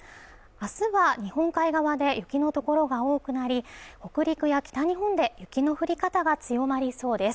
明日は日本海側で雪の所が多くなり北陸や北日本で雪の降り方が強まりそうです